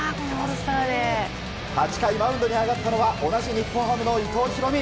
８回マウンドに上がったのは同じ日本ハムの伊藤大海。